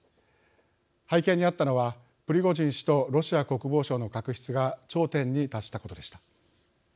背景にあったのはプリゴジン氏とロシア国防省の確執が頂点に達したことでした。